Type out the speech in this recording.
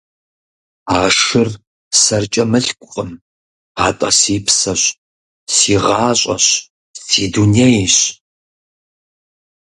А шыр сэркӀэ мылъкукъым, атӀэ си псэщ, си гъащӀэщ, си дунейщ.